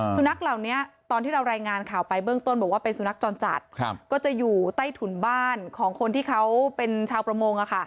สุนัขเหล่านี้ตอนที่เรารายงานข่าวไปเบื้องต้นบอกว่าเป็นสุนัขจรจัดก็จะอยู่ใต้ถุนบ้านของคนที่เขาเป็นชาวประมง